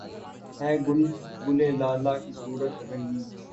ہیں گل لالہ کی صورت رنگیں